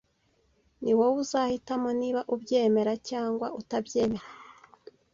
Niwowe uzahitamo niba ubyemera cyangwa utabyemera.